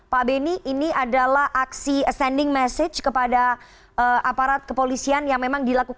pak beni ini adalah aksi sending message kepada aparat kepolisian yang memang dilakukan